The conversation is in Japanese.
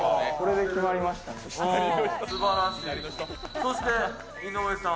そして、井上さん。